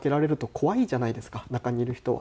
怖いじゃないですか中にいる人は。